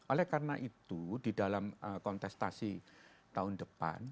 oleh karena itu di dalam kontestasi tahun depan